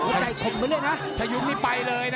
ตรงใจข่มไปเลยนะ